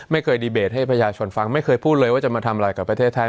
ไม่เคยดีเบตให้ประชาชนฟังไม่เคยพูดเลยว่าจะมาทำอะไรกับประเทศไทย